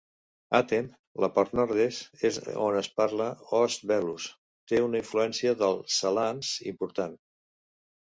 Hattem, la part nord-est on es parla "Oost-Veluws" té una influència del Sallaans important.